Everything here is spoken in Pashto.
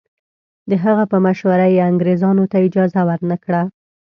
د هغه په مشوره یې انګریزانو ته اجازه ورنه کړه.